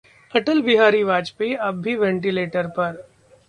अटल बिहारी वाजपेयी अब भी वेंटिलेटर पर